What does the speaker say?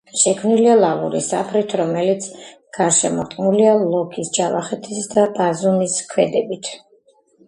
შექმნილია ლავური საფრით, რომელიც გარშემორტყმულია ლოქის, ჯავახეთისა და ბაზუმის ქედებით.